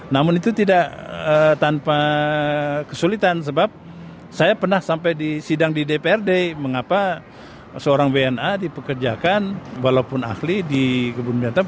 namun itu tidak tanpa kesulitan sebab saya pernah sampai di sidang di dprd mengapa seorang wna dipekerjakan walaupun ahli di kebun binatang